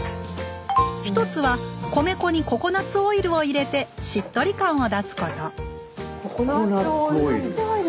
一つは米粉にココナツオイルを入れてしっとり感を出すことココナツオイル。